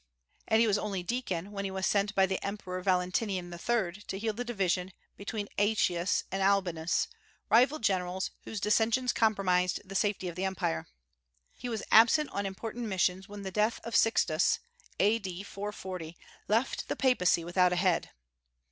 And he was only deacon when he was sent by the Emperor Valentinian III. to heal the division between Aëtius and Albinus, rival generals, whose dissensions compromised the safety of the Empire. He was absent on important missions when the death of Sixtus, A.D. 440, left the Papacy without a head.